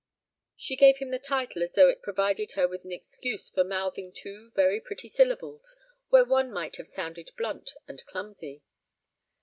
She gave him the title as though it provided her with an excuse for mouthing two very pretty syllables where one might have sounded blunt and clumsy.